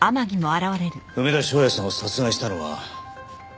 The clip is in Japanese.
梅田翔也さんを殺害したのはあなたですね？